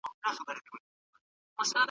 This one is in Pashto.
دا یو ډېر کوچنی خو مهم کار دی.